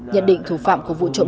nhận định thủ phạm của vụ trộm